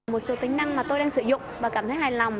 một số tính năng mà tôi đang sử dụng và cảm thấy hài lòng